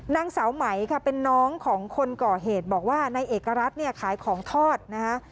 นางสาวไหมค่ะเป็นน้องของคนก่อเหตุบอกว่านายเอกรัฐเนี่ยขายของทอดนะคะ